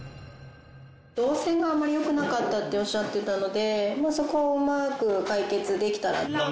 動線があまり良くなかったっておっしゃってたのでそこをうまく解決できたら。